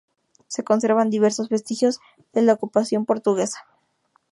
Se conservan diversos vestigios de la ocupación portuguesa.